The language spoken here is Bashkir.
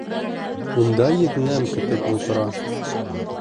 Унда еҙнәм көтөп ултыра.